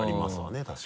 確かに。